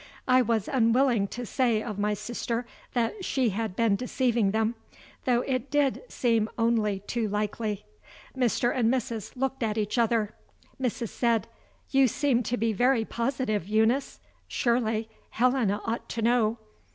I was unwilling to say of my sister that she had been deceiving them, though it did seem only too likely. Mr. and Mrs. looked at each other. Mrs. said: "You seem to be very positive, Eunice. Surely, Helena ought to know."